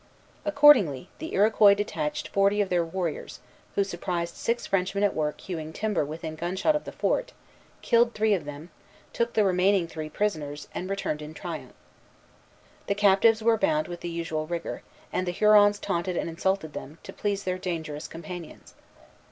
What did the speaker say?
Accordingly, the Iroquois detached forty of their warriors, who surprised six Frenchmen at work hewing timber within a gunshot of the fort, killed three of them, took the remaining three prisoners, and returned in triumph. The captives were bound with the usual rigor; and the Hurons taunted and insulted them, to please their dangerous companions.